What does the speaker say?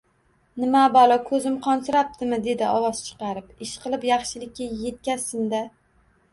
– Nima balo, ko‘zim qonsirabdimi, – dedi ovoz chiqarib. – Ishqilib, yaxshilikka yetkazsin-da…